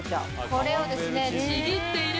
これをですね。